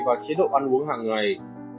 và chế độ ăn uống hàng ngày